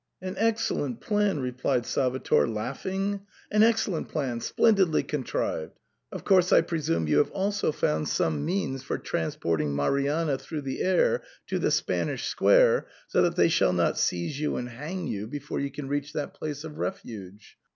" An excellent plan !" replied Salvator, laughing. " An excellent plan ! Splendidly contrived ! Of course I presume you have also found some means for trans porting Marianna through the air to the Spanish Square, so that they shall not seize you and hang you before you can reach that place of refuge.